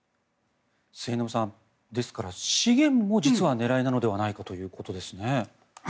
末延さん、ですから資源も実は狙いなのではということです。